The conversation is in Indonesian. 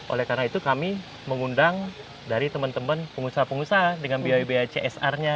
oleh karena itu kami mengundang dari teman teman pengusaha pengusaha dengan biaya biaya csr nya